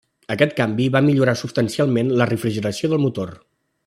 Aquest canvi va millorar substancialment la refrigeració del motor.